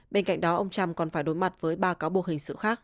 bên cạnh đó ông trump còn phải đối mặt với ba cáo buộc hình sự khác